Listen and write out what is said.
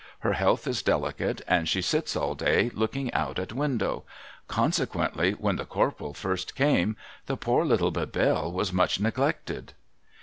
Her health is delicate, and she sits all day, looking out at window. Consequently, when the Corporal first came, the poor little Bebelle was much neglected.'